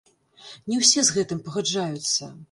Не ўсе з гэтым пагаджаюцца.